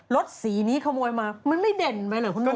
รถสีนี้ขโมยมามันไม่เด่นไปเหรอคุณนุ่น